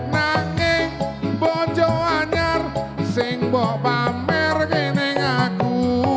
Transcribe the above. nangeng bojo anjar seng bopamer geneng aku